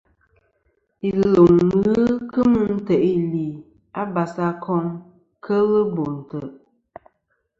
Iluŋ i ghɨ kemɨ ntè' ili a basakom kel bo ntè'.